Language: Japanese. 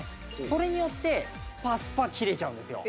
それによってスパスパ切れちゃうんですよ。